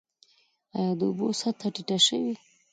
آیا د اوبو سطحه ټیټه شوې؟